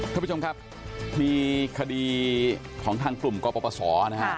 ท่านผู้ชมครับมีคดีของทางกลุ่มกรปศนะฮะ